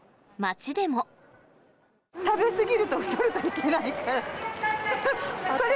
食べ過ぎると太るといけないから。